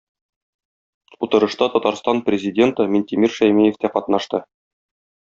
Утырышта Татарстан Президенты Минтимер Шәймиев тә катнашты.